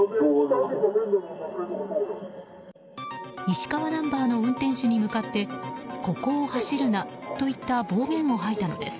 石川ナンバーの運転手に向かってここを走るなといった暴言を吐いたのです。